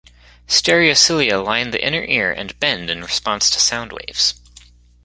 Stereocilia line the inner ear and bend in response to sound waves.